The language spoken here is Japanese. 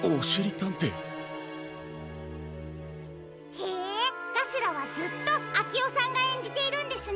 へえガスラはずっとアキオさんがえんじているんですね。